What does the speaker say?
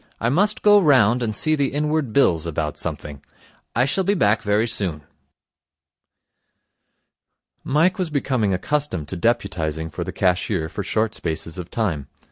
I must go round and see the Inward Bills about something. I shall be back very soon.' Mike was becoming accustomed to deputizing for the cashier for short spaces of time.